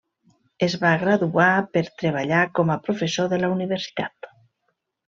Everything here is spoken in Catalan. Es va graduar per treballar com a professor de la universitat.